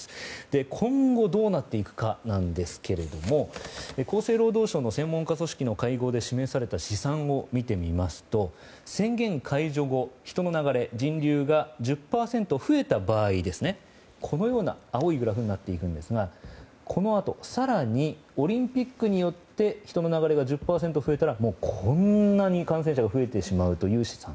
今後、どうなっていくかですが厚生労働省の専門家組織の会合で示された試算を見てみますと宣言解除後、人の流れ人流が１０％増えた場合このような青いグラフになっているんですがこのあと更にオリンピックによって人の流れが１０％増えたらもうこんなに感染者が増えてしまうという試算。